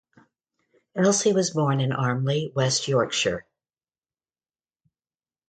Elsie was born in Armley, West Yorkshire.